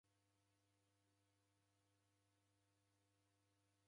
W'afu w'arikilo icho